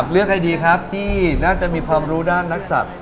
เลือกใครดีครับที่น่าจะมีความรู้ด้านนักศัตริย์